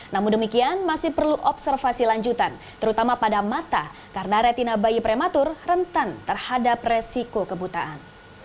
namun demikian masih perlu observasi lanjutan terutama pada mata karena retina bayi prematur rentan terhadap resiko kebutaan